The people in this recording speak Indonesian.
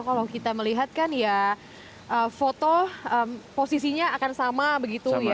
kalau kita melihat kan ya foto posisinya akan sama begitu ya